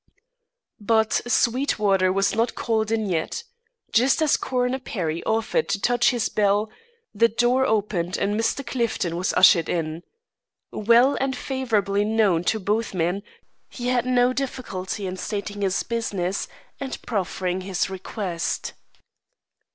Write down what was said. But Sweetwater was not called in yet. Just as Coroner Perry offered to touch his bell, the door opened and Mr. Clifton was ushered in. Well and favourably known to both men, he had no difficulty in stating his business and preferring his request.